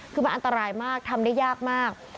คือมันอันตรายมากทำได้ยากมาก